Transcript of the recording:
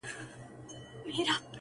• ستا د حسن ترانه وای,